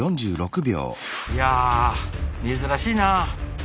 いやあ珍しいなあ。